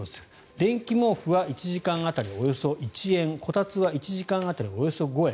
電気毛布は１時間当たりおよそ１円こたつは１時間当たりおよそ５円